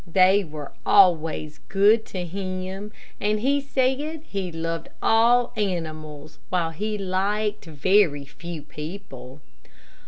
They were always good to him, and he said he loved all animals while he liked very few people.